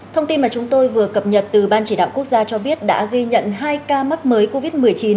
thông tin mà chúng tôi vừa cập nhật từ ban chỉ đạo quốc gia cho biết đã ghi nhận hai ca mắc mới covid một mươi chín